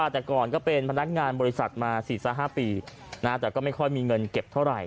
แต่ก่อนก็เป็นพนักงานบริษัทมา๔๕ปีแต่ก็ไม่ค่อยมีเงินเก็บเท่าไหร่